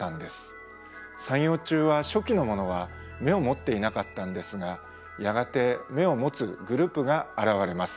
三葉虫は初期のものは眼を持っていなかったんですがやがて眼を持つグループが現れます。